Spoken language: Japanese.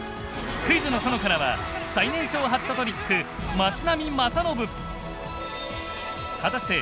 「クイズの園」からは最年少ハットトリック松波正信。